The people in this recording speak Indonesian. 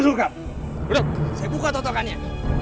saya buka totokannya